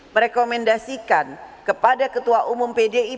merekomendasikan kepada ketua umum pdi perjuangan